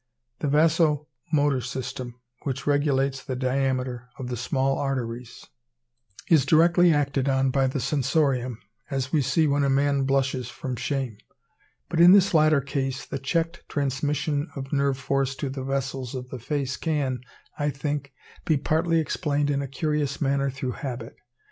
The vaso motor system, which regulates the diameter of the small arteries, is directly acted on by the sensorium, as we see when a man blushes from shame; but in this latter case the checked transmission of nerve force to the vessels of the face can, I think, be partly explained in a curious manner through habit.